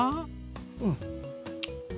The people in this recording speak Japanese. うん。